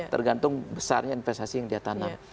tergantung besarnya investasi yang dia tanam